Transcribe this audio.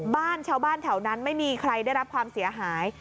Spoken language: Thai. บ้านชาวบ้านแถวนั้นไม่มีใครได้รับความเสียหาย